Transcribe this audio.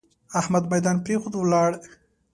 احمد ميدان پرېښود؛ ولاړ.